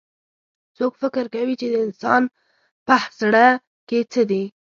څوک فکر کوي چې د انسان پهزړه کي څه دي